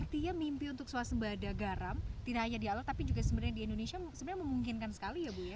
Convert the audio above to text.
artinya mimpi untuk suasana ada garam tidak hanya di alor tapi juga di indonesia memungkinkan sekali ya bu